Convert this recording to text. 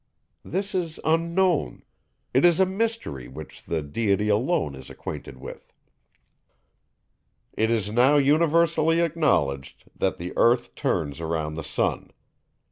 This is unknown; it is a mystery which the Deity alone is acquainted with. It is now universally acknowledged, that the earth turns round the sun.